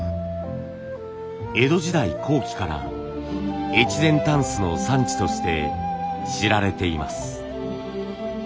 江戸時代後期から越前箪笥の産地として知られています。